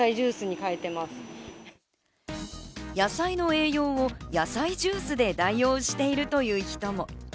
野菜の栄養を野菜ジュースで代用しているという人も。